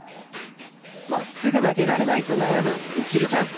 まっすぐなげられないとなやむみちるちゃん！